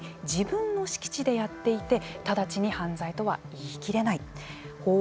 自分の敷地でやっていて直ちに犯罪とは言い切れない。